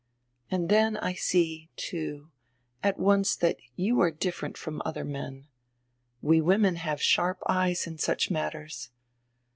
And dien I see, too, at once diat you are different from odier men. We women have sharp eyes in such mat ters.